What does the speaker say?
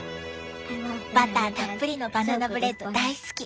バターたっぷりのバナナブレッド大好き！